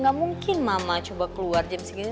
gak mungkin mama coba keluar jam segini